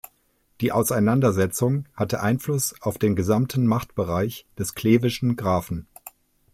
Die Auseinandersetzung hatte Einfluss auf den gesamten Machtbereich des klevischen Grafen.